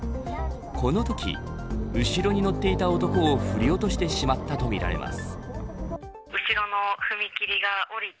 このとき、後ろに乗っていた男を振り落としてしまったとみられます。